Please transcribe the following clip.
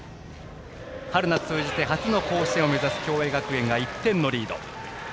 春夏通じて初の甲子園を目指す共栄学園が１点のリード。